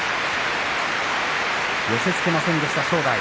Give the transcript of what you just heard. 寄せつけませんでした、正代。